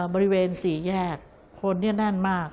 บริเวณศรีแยกคนที่นั่นมาก